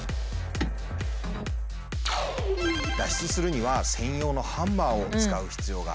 脱出するには専用のハンマーを使う必要があります。